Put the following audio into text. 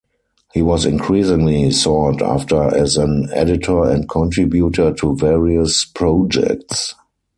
He was increasingly sought after as an editor and contributor to various projects.